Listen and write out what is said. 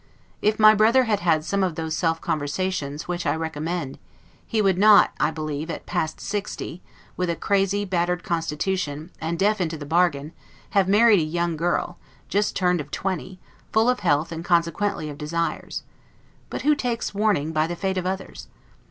If my brother had had some of those self conversations, which I recommend, he would not, I believe, at past sixty, with a crazy, battered constitution, and deaf into the bargain, have married a young girl, just turned of twenty, full of health, and consequently of desires. But who takes warning by the fate of others?